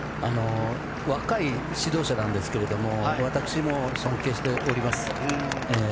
若い指導者なんですが私も尊敬しております。